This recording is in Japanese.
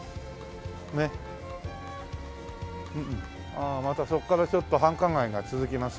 ああまたそこからちょっと繁華街が続きますね。